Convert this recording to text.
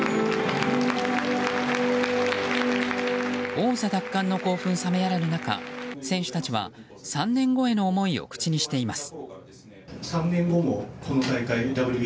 王座奪還の興奮冷めやらぬ中選手たちは、３年後への思いを口にしています。